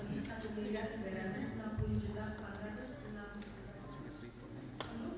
itulah yang saya dengar